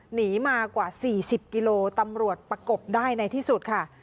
หนีมากว่า๔๐กิโลตำรวจประกบได้ในที่สุดค่ะ